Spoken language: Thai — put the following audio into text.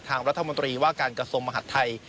ทางรัฐมนตรีว่าการกระทรวงมหาดไทย